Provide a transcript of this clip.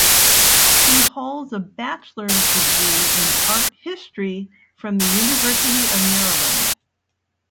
She holds a bachelor's degree in art history from the University of Maryland.